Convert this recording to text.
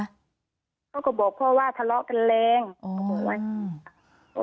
เขาก็บอกพ่อว่าทะเลาะกันแรงเขาบอกว่าอย่างนี้ค่ะ